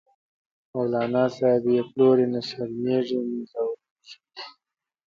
مولانا صاحب یی پلوری، نه شرمیزی نه ځوریږی